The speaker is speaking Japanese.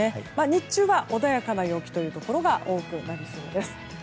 日中は穏やかな陽気というところが多くなりそうです。